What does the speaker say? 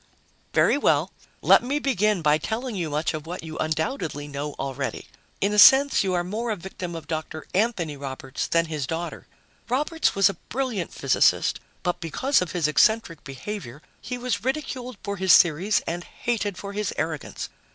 "Very well, let me begin by telling you much of what you undoubtedly know already. In a sense, you are more a victim of Dr. Anthony Roberts than his daughter. Roberts was a brilliant physicist, but because of his eccentric behavior, he was ridiculed for his theories and hated for his arrogance.